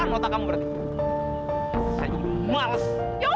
duduk dimana ya